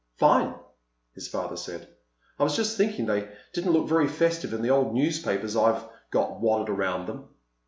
"Fine," his father said. "I was just thinking they didn't look very festive in the old newspapers I've got wadded around them."